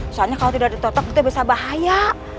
soalnya kalau tidak ditutup itu bisa bahaya